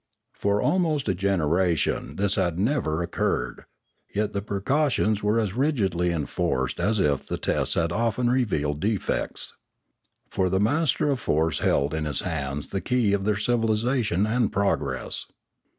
For almost a generation this had never occurred, yet the precautions were as rigidly enforced as if the tests had often revealed defects. For the master of force held in his hands the key of their civilisation and progress.